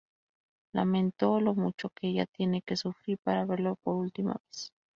Lamentó lo mucho que ella tiene que sufrir para verlo por última vez.